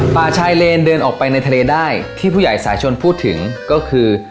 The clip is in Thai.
ป่าชายเลนเดินออกไปในทะเลได้ที่ผู้ใหญ่สายชนพูดถึงก็คือ